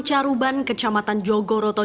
caruban kecamatan jogoroto